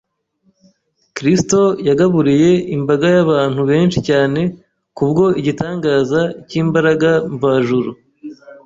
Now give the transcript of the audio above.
Kristo yagaburiye imbaga y’abantu benshi cyane kubwo igitangaza cy’imbaraga mvajuru